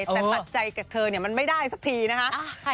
แต่ปัจจัยกับเธอเนี่ยมันไม่ได้สักทีนะฮะ